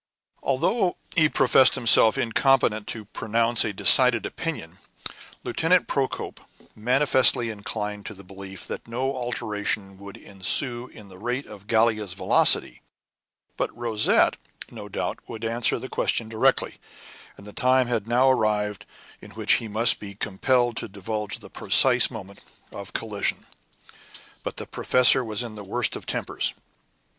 Although he professed himself incompetent to pronounce a decided opinion, Lieutenant Procope manifestly inclined to the belief that no alteration would ensue in the rate of Gallia's velocity; but Rosette, no doubt, could answer the question directly, and the time had now arrived in which he must be compelled to divulge the precise moment of collision. But the professor was in the worst of tempers.